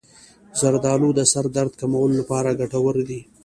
زردآلو د سر درد کمولو لپاره ګټور دي.